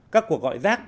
các cuộc gọi rác